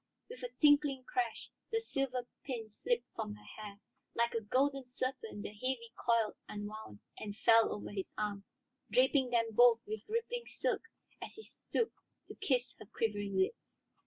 With a tinkling crash the silver pin slipped from her hair, like a golden serpent the heavy coil unwound and fell over his arm, draping them both with rippling silk as he stooped to kiss her quivering lips.